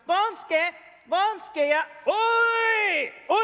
「おい！